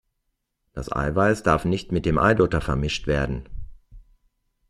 Das Eiweiß darf nicht mit dem Eidotter vermischt werden!